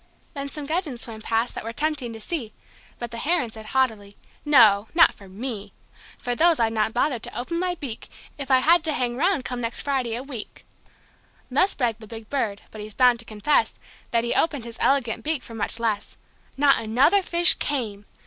Then some gudgeon swam past that were tempting to see, But the Heron said hautily: "No not for me. For those I'd not bother to open my beak, If I had to hang 'round come next Friday a week." Thus bragged the big Bird. But he's bound to confess That he opened his elegant beak for much less. Not another fish came.